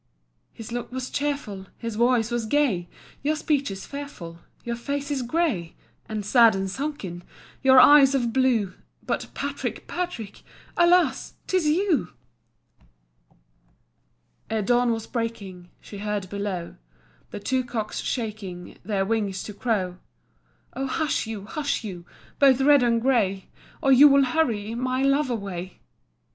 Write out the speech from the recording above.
"His look was cheerful, His voice was gay; Your speech is fearful, Your face is grey; And sad and sunken Your eye of blue, But Patrick, Patrick, Alas! 'tis you!" Ere dawn was breaking She heard below The two cocks shaking Their wings to crow. "Oh, hush you, hush you, Both red and grey, Or you will hurry My love away.